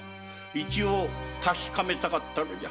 一応確かめたかったのじゃ。